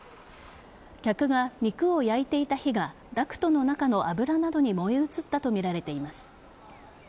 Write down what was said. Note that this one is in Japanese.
客が肉を焼いていた火がダクトの中の油などに燃え移ったとみられています。